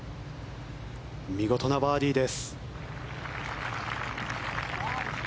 見事なバーディーです。